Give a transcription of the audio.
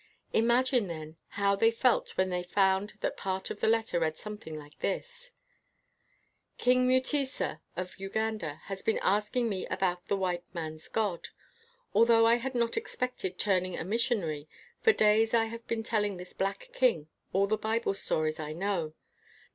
Imagine, then, how they felt when they found that part of the letter read something like this : "King Mutesa of Uganda has been ask ing me about the white man's God. Al though I had not expected turning a mis sionary, for days I have been telling this black king all the Bible stories I know.